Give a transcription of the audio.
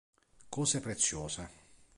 Cose preziose